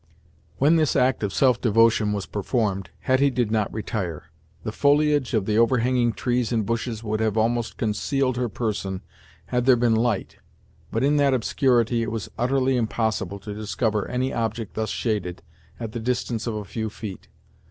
When this act of self devotion was performed, Hetty did not retire. The foliage of the overhanging trees and bushes would have almost concealed her person, had there been light, but in that obscurity it was utterly impossible to discover any object thus shaded, at the distance of a few feet.